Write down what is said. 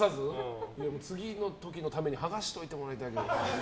次の時のために剥がしておいてもらいたいな。